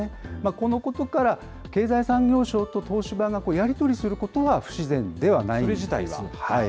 このことから、経済産業省と東芝がやり取りすることは不自然ではないんですね。